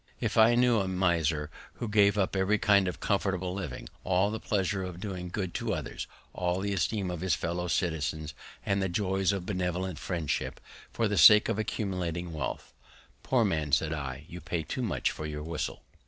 If I knew a miser who gave up every kind of comfortable living, all the pleasure of doing good to others, all the esteem of his fellow citizens, and the joys of benevolent friendship, for the sake of accumulating wealth, Poor man, said I, you pay too much for your whistle.